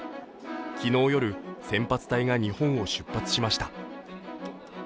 昨日夜、先発隊が日本を出発しました。